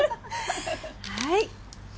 はい。